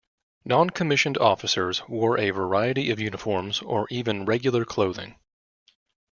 Non-commissioned officers wore a variety of uniforms, or even regular clothing.